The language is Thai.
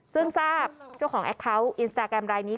ซึ่งทราบเจ้าของแอคเคาน์อินสตาแกรมรายนี้